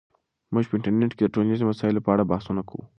موږ په انټرنیټ کې د ټولنیزو مسایلو په اړه بحثونه کوو.